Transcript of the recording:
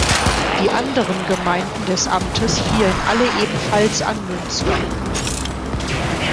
Die anderen Gemeinden des Amtes fielen alle ebenfalls an Münster.